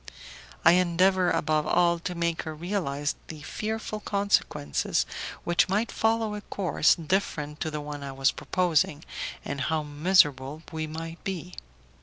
I endeavour above all to make her realize the fearful consequences which might follow a course different to the one I was proposing, and how miserable we might be.